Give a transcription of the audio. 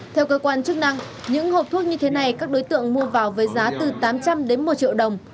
theo cơ quan chức năng những hộp thuốc như thế này các đối tượng mua vào với giá từ tám trăm linh đến một triệu đồng